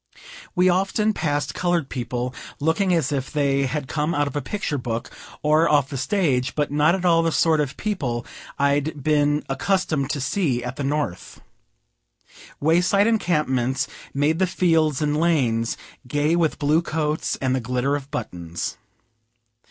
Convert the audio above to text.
We often passed colored people, looking as if they had come out of a picture book, or off the stage, but not at all the sort of people I'd been accustomed to see at the North. Way side encampments made the fields and lanes gay with blue coats and the glitter of buttons.